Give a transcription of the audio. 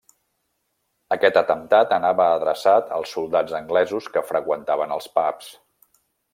Aquest atemptat anava adreçat als soldats anglesos que freqüentaven els pubs.